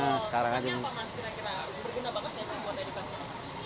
mas kira kira berguna banget gak sih buat edukasi